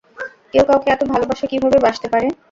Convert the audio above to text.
কেউ কাউকে এতো ভালোবাসা কীভাবে ভাসতে পারে?